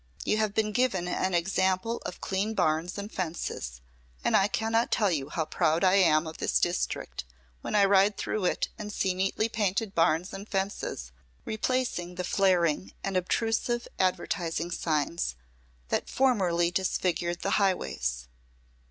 You have been given an example of clean barns and fences, and I cannot tell you how proud I am of this district when I ride through it and see neatly painted barns and fences replacing the flaring and obtrusive advertising signs that formerly disfigured the highways.